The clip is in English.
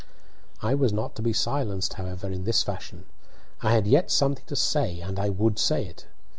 I was not to be silenced, however, in this fashion. I had yet something to say, and I would say it.